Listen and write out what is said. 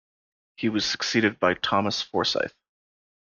He was succeeded by Thomas Forsaith.